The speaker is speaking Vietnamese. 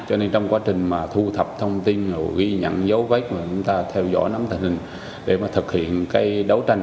cho nên trong quá trình mà thu thập thông tin ghi nhận dấu vết mà chúng ta theo dõi nắm tình hình để mà thực hiện cái đấu tranh